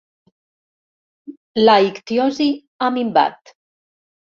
La ictiosi ha minvat.